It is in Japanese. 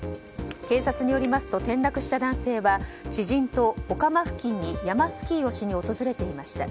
警察によりますと転落した男性は、知人とお釜付近に山スキーをしに訪れていました。